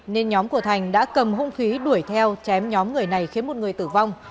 nên nhóm của thành đã cầm hung khí đuổi theo chém nhóm người này khiến một người tử vong